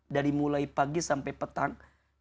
dari mulai pagi sampai petang